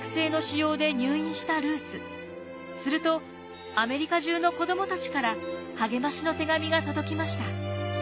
するとアメリカ中の子どもたちから励ましの手紙が届きました。